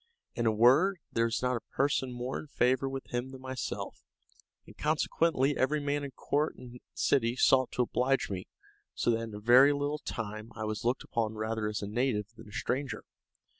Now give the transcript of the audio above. In a word, there was not a person more in favor with him than myself, and consequently every man in court and city sought to oblige me, so that in a very little time I was looked upon rather as a native than a stranger.